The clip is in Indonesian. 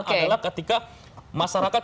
adalah ketika masyarakat